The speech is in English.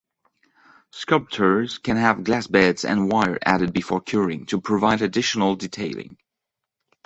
Sculptures can have glass beads and wire added before curing to provide additional detailing.